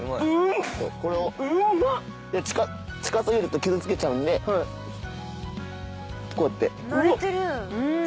近過ぎると傷つけちゃうんでこうやって。